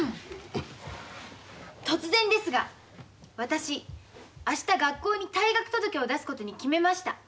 突然ですが私明日学校に退学届を出すことに決めました。